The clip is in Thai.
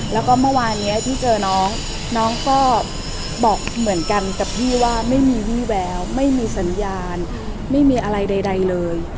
แล้วก็เมื่อวานนี้ที่เจอน้องน้องก็บอกเหมือนกันกับพี่ว่าไม่มีวี่แววไม่มีสัญญาณไม่มีอะไรใดเลย